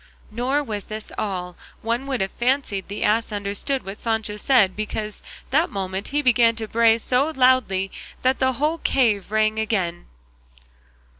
Nor was this all; one would have fancied the ass understood what Sancho said, because that moment he began to bray so loudly that the whole cave rang again.